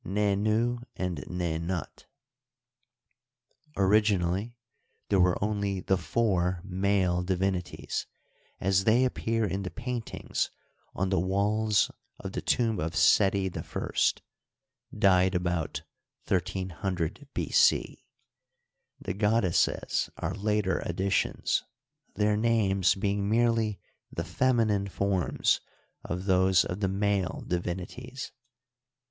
Nenu and Nenut, Originally there were only the four male divinities, as they appear in the paintings on the walls of the tomb of Seti I (died about Digitized by VjOOQIC INTRODUCTORY. 27 1300 B. c.) ; the goddesses are later additions, their names being merely the feminine forms of those of the male di vinities.